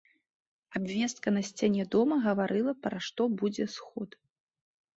Абвестка на сцяне дома гаварыла, пра што будзе сход.